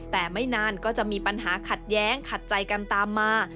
แต่ไม่นานก็จะมีปัญหาขัดแย้งขัดใจกันตามมา